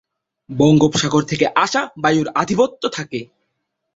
বঙ্গোপসাগর থেকে আসা বায়ুর আধিপত্য থাকে।